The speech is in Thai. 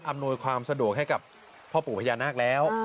อำนวยความสะดวกให้กับพ่อปู่พญานาคแล้ว